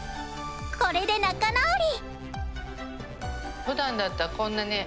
これで仲直り！